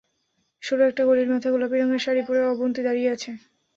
সরু একটা গলির মাথায় গোলাপি রঙের শাড়ি পরে অবন্তী দাঁড়িয়ে আছে।